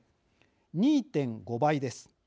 ２．５倍です。